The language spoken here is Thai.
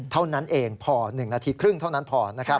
เท่านั้นเองพอ๑นาทีครึ่งเท่านั้นพอ